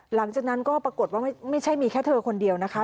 หลังจากนั้นก็ปรากฏว่าไม่ใช่มีแค่เธอคนเดียวนะคะ